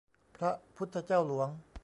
พระพุทธเจ้าหลวง